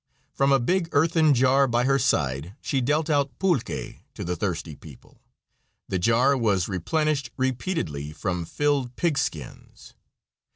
From a big earthen jar by her side she dealt out pulque to the thirsty people; the jar was replenished repeatedly from filled pig skins.